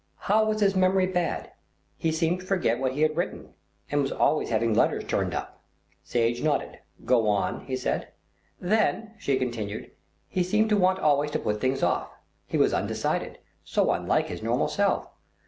"How was his memory bad?" "He seemed to forget what he had written, and was always having letters turned up." Sage nodded. "Go on," he said. "Then," she continued, "he seemed to want always to put things off. He was undecided; so unlike his normal self.